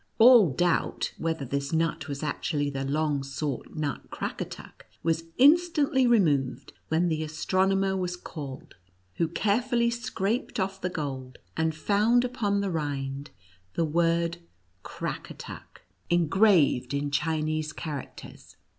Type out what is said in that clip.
All doubt, whether this nut was actually the long sought nut, Crackatuck, was instantly re moved, when the astronomer was called, who carefully scraped off the gold, and found upon the rind the word Crackatuck, engraved in Chi 80 NUTCR ACKER AKD MOUSE KETO. nese characters.